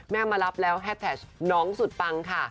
มารับแล้วแฮดแท็กน้องสุดปังค่ะ